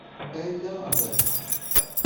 Ala a baba!